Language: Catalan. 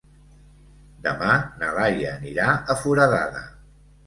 Demà na Laia anirà a Foradada.